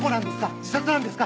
自殺なんですか？